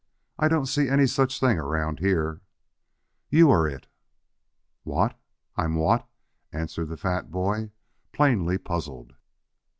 I don't see any such thing around here?" "You are it." "What? I'm what?" answered the fat boy, plainly puzzled.